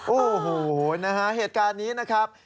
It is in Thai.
โอ้โหนะฮะเหตุการณ์นี้นะครับ